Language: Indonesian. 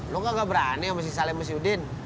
lo gak berani sama si salim sama si udin